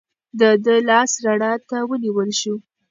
د ده لاس رڼا ته ونیول شو.